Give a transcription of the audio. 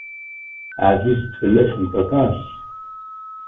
Ɛzizet fell-asent aṭas.